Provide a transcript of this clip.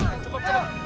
eh pukul kau